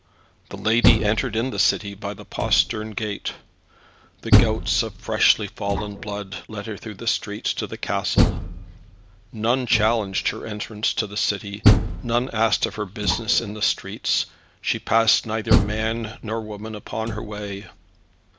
The lady entered in the city by the postern gate. The gouts of freshly fallen blood led her through the streets to the castle. None challenged her entrance to the city; none asked of her business in the streets; she passed neither man nor woman upon her way.